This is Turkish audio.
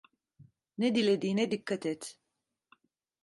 Ne dilediğine dikkat et.